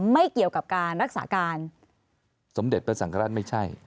ไม่เกี่ยวกับการรักษาการสมเด็จพระสังฆราชไม่ใช่